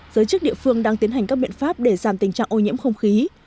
giới chức địa phương đang tiến hành các biện pháp để giảm tình trạng ô nhiễm không khí